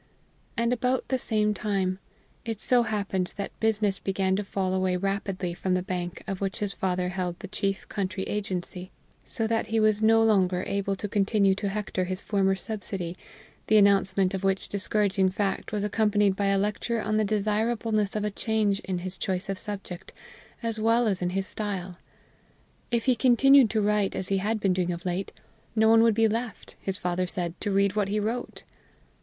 And about the same time it so happened that business began to fall away rapidly from the bank of which his father held the chief country agency, so that he was no longer able to continue to Hector his former subsidy, the announcement of which discouraging fact was accompanied by a lecture on the desirableness of a change in his choice of subject as well as in his style; if he continued to write as he had been doing of late, no one would be left, his father said, to read what he wrote!